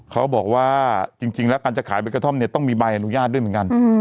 เขาบอกว่าจริงแล้วการจะขายใบกระท่อมเนี่ยต้องมีใบอนุญาตด้วยเหมือนกัน